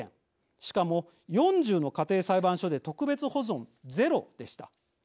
しかも４０の家庭裁判所で特別保存ゼロでした。